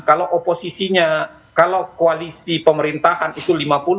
kalau oposisinya kalau koalisi pemerintahan itu lima puluh